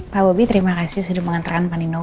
pak bobi terima kasih sudah mengantarkan pak nino